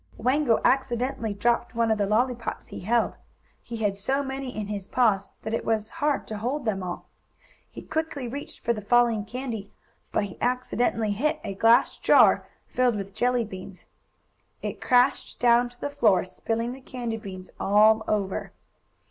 Wango accidentally dropped one of the lollypops he held. He had so many in his paws that it was hard to hold them all. He quickly reached for the falling candy, but he accidentally hit a glass jar filled with jelly beans. It crashed down to the floor, spilling the candy beans all over.